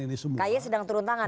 ini semua kaye sedang turun tangan